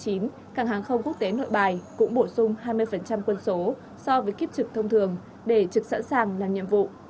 cảng hàng không quốc tế nội bài cũng bổ sung hai mươi quân số so với kiếp trực thông thường để trực sẵn sàng làm nhiệm vụ